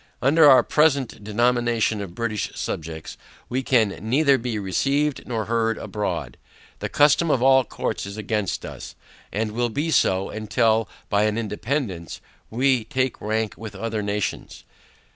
Under our present denomination of British subjects, we can neither be received nor heard abroad: The custom of all courts is against us, and will be so, until, by an independance, we take rank with other nations.